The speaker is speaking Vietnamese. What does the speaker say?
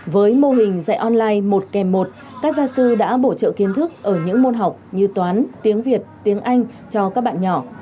với mô hình dạy online một kèm một các gia sư đã bổ trợ kiến thức ở những môn học như toán tiếng việt tiếng anh cho các bạn nhỏ